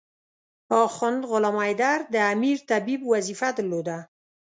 اخند غلام حیدر د امیر طبيب وظیفه درلوده.